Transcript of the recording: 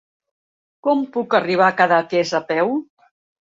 Com puc arribar a Cadaqués a peu?